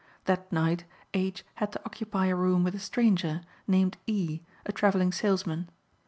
That night H. had to occupy a room with a stranger, named E., a travelling salesman.